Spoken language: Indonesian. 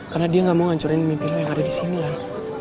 karena dia gak mau ngancurin mimpi lo yang ada disini lan